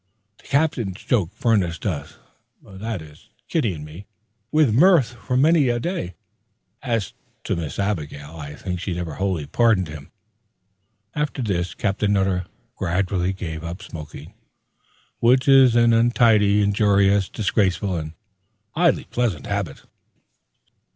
The Captain's joke furnished us that is, Kitty and me with mirth for many a day; as to Miss Abigail, I think she never wholly pardoned him. After this, Captain Nutter gradually gave up smoking, which is an untidy, injurious, disgraceful, and highly pleasant habit.